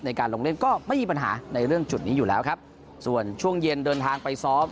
ในการลงเล่นก็ไม่มีปัญหาในเรื่องจุดนี้อยู่แล้วครับส่วนช่วงเย็นเดินทางไปซ้อม